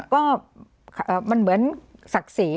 ก็มันเหมือนศักดิ์ศรี